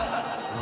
何？